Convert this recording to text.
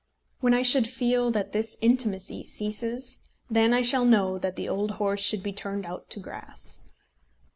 When I shall feel that this intimacy ceases, then I shall know that the old horse should be turned out to grass.